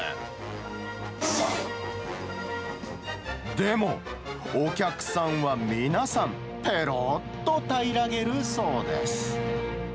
でも、お客さんは皆さん、ぺろっとたいらげるそうです。